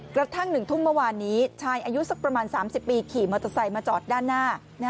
กระทั่ง๑ทุ่มเมื่อวานนี้ชายอายุสักประมาณ๓๐ปีขี่มอเตอร์ไซค์มาจอดด้านหน้า